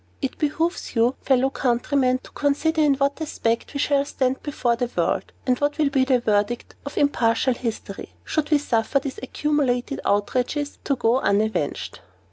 It behooves you, fellow countrymen, to consider in what aspect we shall stand before the world, and what will be the verdict of impartial history, should we suffer these accumulated outrages to go unavenged.